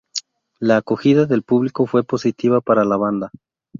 La acogida del público fue positiva para la banda.